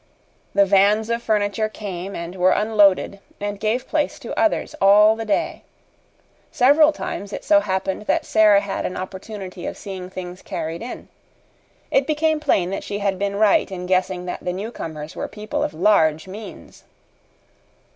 The vans of furniture came and were unloaded and gave place to others all the day. Several times it so happened that Sara had an opportunity of seeing things carried in. It became plain that she had been right in guessing that the newcomers were people of large means.